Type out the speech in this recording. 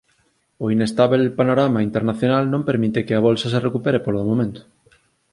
O inestábel panorama internacional non permite que a bolsa se recupere polo momento.